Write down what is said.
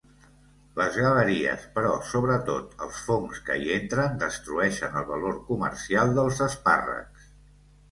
Les galeries, però sobretot els fongs que hi entren destrueixen el valor comercial dels espàrrecs.